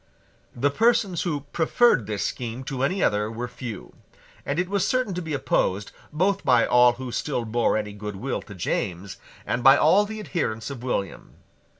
The persons who preferred this scheme to any other were few; and it was certain to be opposed, both by all who still bore any good will to James, and by all the adherents of William.